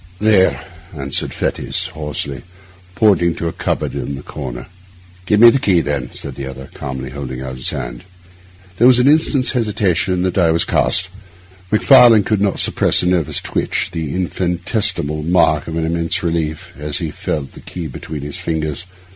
'There,' answered Fettes hoarsely, pointing to a cupboard in the corner. 'Give me the key, then,' said the other, calmly, holding out his hand. There was an instant's hesitation, and the die was cast. Macfarlane could not suppress a nervous twitch, the infinitesimal mark of an immense relief, as he felt the key between his fingers.